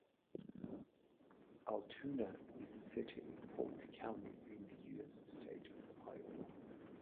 Altoona is a city in Polk County in the U.S. state of Iowa.